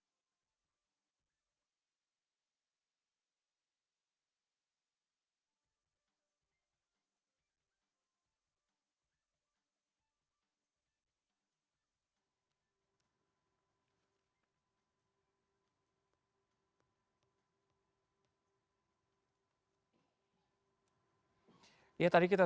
bapak ketua umum partai golkar